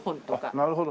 なるほど。